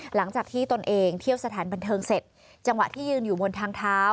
ตนเองเที่ยวสถานบันเทิงเสร็จจังหวะที่ยืนอยู่บนทางเท้า